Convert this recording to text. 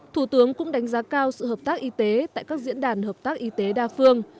thủ tướng cũng đánh giá cao sự hợp tác y tế tại các diễn đàn hợp tác y tế đa phương